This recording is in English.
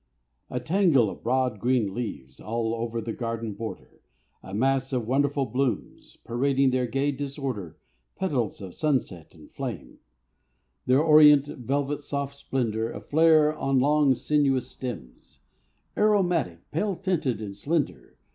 A tangle of broad, green leaves, All over the garden border; A mass of wonderful blooms, Parading their gay disorder. Petals of sunset and flame, Their orient, velvet soft splendor Aflare on long, sinuous stems, Aromatic, pale tinted and slender.